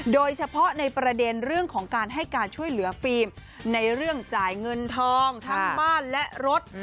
โดยเฉพาะในประเด็นเรื่องของการให้การช่วยเหลือฟิล์มในเรื่องจ่ายเงินทองทั้งบ้านและรถ